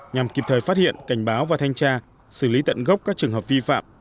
nhằm kịp thời phát hiện cảnh báo và thanh tra xử lý tận gốc các trường hợp vi phạm